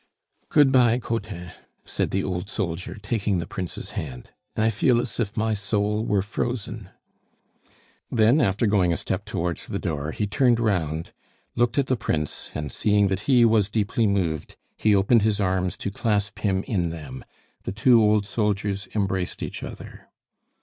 "Good bye, Cottin," said the old soldier, taking the Prince's hand. "I feel as if my soul were frozen " Then, after going a step towards the door, he turned round, looked at the Prince, and seeing that he was deeply moved, he opened his arms to clasp him in them; the two old soldiers embraced each other.